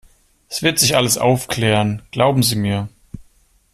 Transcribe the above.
Es wird sich alles aufklären, glauben Sie mir!